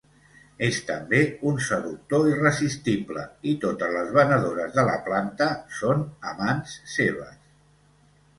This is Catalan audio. És també un seductor irresistible i totes les venedores de la planta són amants seves.